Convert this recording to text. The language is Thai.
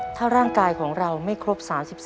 ถ้าร่างกายของเราไม่ครบ๓๒